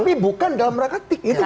tapi bukan dalam rangka tiket